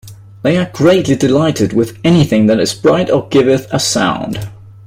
They are greatly delighted with anything that is bright or giveth a sound.